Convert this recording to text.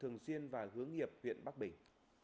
thường xuyên và hướng nghiệp huyện bắc bình